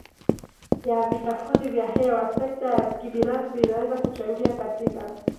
ya vichafuzi vya hewa Sekta ya kibinafsi inaweza kuchangia katika